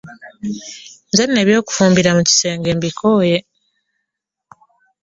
Nzeno ebyokufumbira mukisenge mbikoye.